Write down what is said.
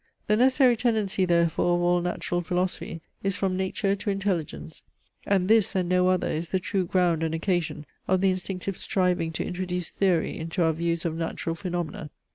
The necessary tendency therefore of all natural philosophy is from nature to intelligence; and this, and no other is the true ground and occasion of the instinctive striving to introduce theory into our views of natural phaenomena.